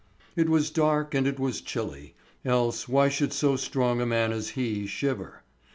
It was dark and it was chilly, else why should so strong a man as he shiver?